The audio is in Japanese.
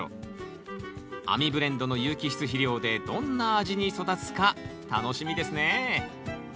亜美ブレンドの有機質肥料でどんな味に育つか楽しみですね！